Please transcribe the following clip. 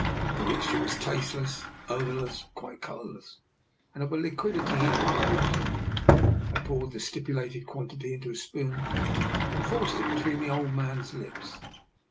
The mixture was tasteless, odour less, and quite colourless, and of a liquidity equal to water. I poured the stipulated quan tity into a spoon and forced it between the old man's lips.